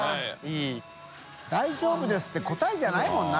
大丈夫です」って答えじゃないもんな。